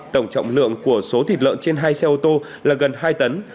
tổng trọng lượng của số thịt lợn trên hai xe ô tô là gần hai tấn